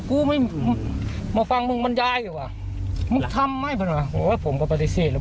กูไม่อืมมาฟังมึงบรรยายว่ะมึงทำไม่ว่ะโหผมก็ปฏิเสธแล้ว